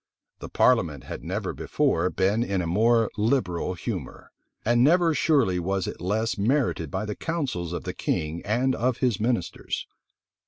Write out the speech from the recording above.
The parliament had never before been in a more liberal humor; and never surely was it less merited by the counsels of the king and of his ministers.